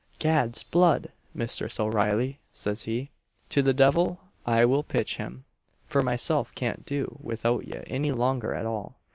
'Gad's blood! Misthress O'Reilly,' says he, 'to the devil I will pitch him, for myself can't do without ye any longer at all!'